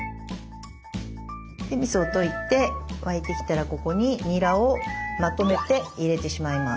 みそを溶いて沸いてきたらここににらをまとめて入れてしまいます。